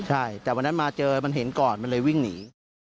ใช่แต่วันนั้นมาเจอมันเห็นก่อนมันเลยวิ่งหนี